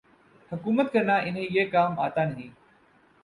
حکومت کرنا انہیں یہ کام آتا نہیں۔